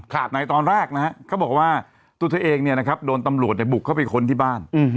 ในตอนแรกนะฮะเขาบอกว่าตัวเธอเองเนี่ยนะครับโดนตำรวจเนี่ยบุกเข้าไปค้นที่บ้าน